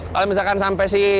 kalau misalkan sampai sih